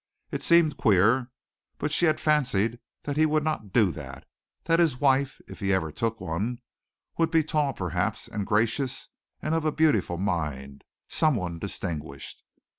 It seemed queer, but she had fancied that he would not do that that his wife, if he ever took one, would be tall perhaps, and gracious, and of a beautiful mind someone distinguished.